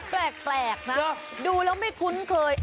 แปลกนะดูแล้วไม่คุ้นเคย